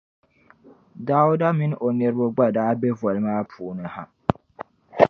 Dauda min’ o niriba gba daa be voli maa puuni ha.